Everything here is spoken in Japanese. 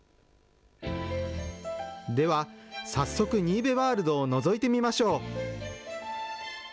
では早速、新部ワールドをのぞいてみましょう。